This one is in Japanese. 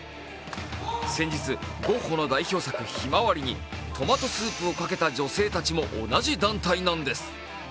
先日、ゴッホの代表作「ひまわり」にトマトスープをかけた女性たちも同じ団体なんです。